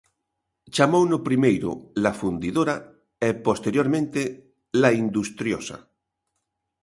Chamouno primeiro La Fundidora e, posteriormente, La Industriosa.